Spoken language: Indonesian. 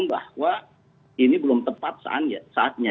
mereka bilang bahwa ini belum tepat saatnya